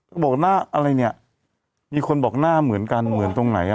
ก็บอกหน้าอะไรเนี่ยมีคนบอกหน้าเหมือนกันเหมือนตรงไหนอ่ะ